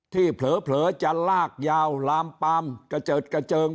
เผลอจะลากยาวลามปามกระเจิดกระเจิง